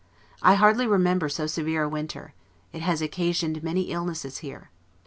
I hardly remember so severe a win ter; it has occasioned many illnesses here.